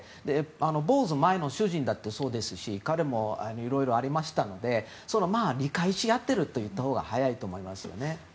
ボウルズ前の主人だってそうですし彼もいろいろありましたので理解しあってるといったほうが早いと思います。